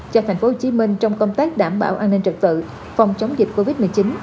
cho thành phố hồ chí minh trong công tác đảm bảo an ninh trật tự phòng chống dịch covid một mươi chín